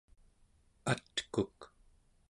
atkuk